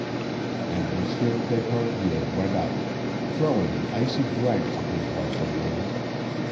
And Monsieur d'Esparvieu went out, throwing an icy glance at his librarian.